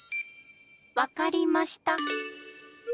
わかりました！